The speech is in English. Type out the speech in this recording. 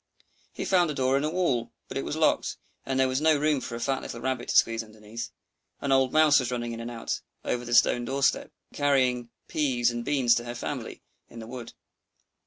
He found a door in a wall; but it was locked, and there was no room for a fat little Rabbit to squeeze underneath. An old Mouse was running in and out over the stone door step, carrying peas and beans to her family in the wood.